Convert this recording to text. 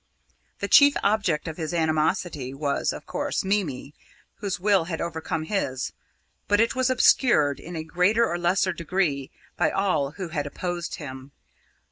The chief object of his animosity was, of course, Mimi, whose will had overcome his, but it was obscured in greater or lesser degree by all who had opposed him.